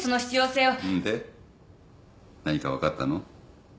んで何か分かったの？